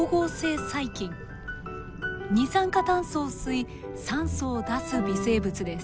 二酸化炭素を吸い酸素を出す微生物です。